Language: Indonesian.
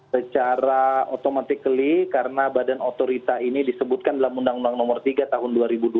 secara otomatis karena badan otorita ini disebutkan dalam undang undang nomor tiga tahun dua ribu dua puluh